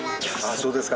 そうですか。